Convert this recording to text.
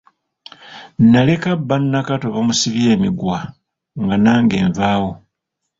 Naleka bba Nakato bamusibye emiguwa nga nange nvaawo.